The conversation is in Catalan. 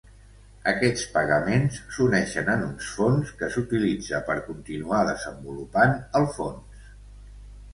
Aquests pagaments s'uneixen en uns fons que s'utilitza per continuar desenvolupant el fons.